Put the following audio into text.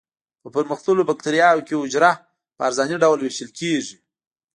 په پرمختللو بکټریاوو کې حجره په عرضاني ډول ویشل کیږي.